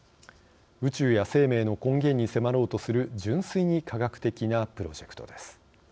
宇宙や生命の根源に迫ろうとする純粋に科学的なプロジェクトです。